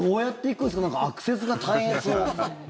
なんか、アクセスが大変そう。